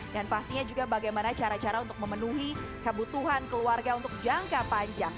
dan pastinya juga bagaimana cara cara untuk memenuhi kebutuhan keluarga untuk jangka panjang